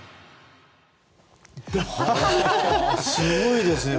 すごいですね。